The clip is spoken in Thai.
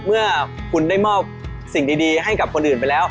เมื่อคุณได้มอบสิ่งดีให้กับคนอื่นไปแล้ว